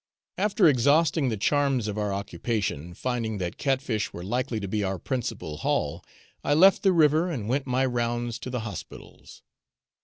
After exhausting the charms of our occupation, finding that cat fish were likely to be our principal haul, I left the river and went my rounds to the hospitals.